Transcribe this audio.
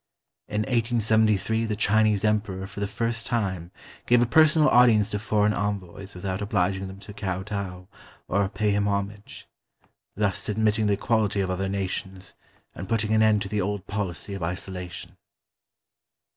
In 1873 the Chinese Emperor for the first time gave a personal audience to foreign envoys without obliging them to kow tow, or pay him homage, thus admitting the equality of other nations and putting an end to the old policy of isolation.